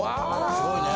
すごいね。